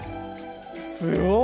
すごい！